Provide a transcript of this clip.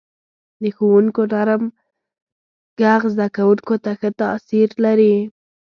• د ښوونکو نرم ږغ زده کوونکو ته ښه تاثیر لري.